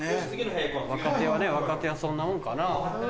若手はね若手はそんなもんかな。